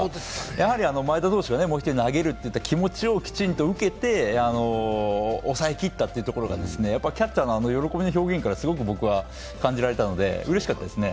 やはり前田投手がもう１人投げると言った気持ちをきちんと受けて、抑えきったというところがキャッチャーのあの喜びの表現からすごく感じたので、うれしかったですね。